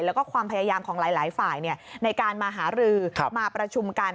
แล้วก็ความพยายามของหลายฝ่ายในการมาหารือมาประชุมกัน